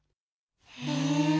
へえ。